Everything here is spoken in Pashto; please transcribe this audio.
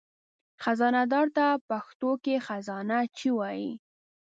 خزانهدار ته په پښتو کې خزانهچي وایي.